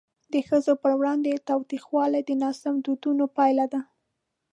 د ښځو پر وړاندې تاوتریخوالی د ناسم دودونو پایله ده.